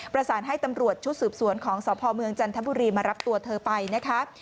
ประสานให้ตำรวจชุดสืบสวนของสพเมืองจันทบุรีมารับตัวเธอไปนะคะ